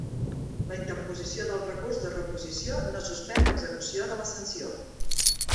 La interposició del recurs de reposició no suspèn l'execució de la sanció.